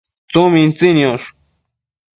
tsumintsi niosh